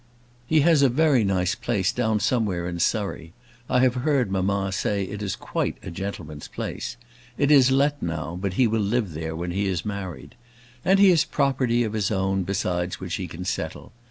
He has a very nice place down somewhere in Surrey; I have heard mamma say it is quite a gentleman's place. It is let now; but he will live there when he is married. And he has property of his own besides which he can settle.